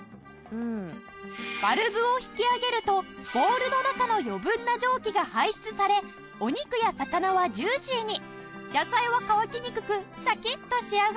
バルブを引き上げるとボウルの中の余分な蒸気が排出されお肉や魚はジューシーに野菜は乾きにくくシャキッと仕上がるんです。